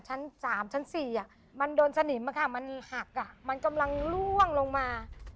ชั้น๓ชั้น๔มันโดนสนิมมันหักมันกำลังล่วงลงมา